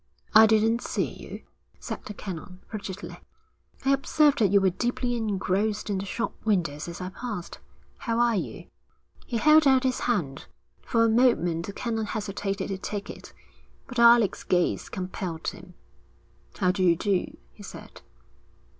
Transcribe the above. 'I didn't see you,' said the Canon, frigidly. 'I observed that you were deeply engrossed in the shop windows as I passed. How are you?' He held out his hand. For a moment the Canon hesitated to take it, but Alec's gaze compelled him. 'How do you do?' he said.